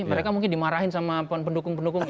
mereka mungkin dimarahin sama pendukung pendukung